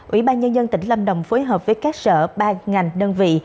ủy ban nhân dân tỉnh lâm đồng phối hợp với các sở ban ngành đơn vị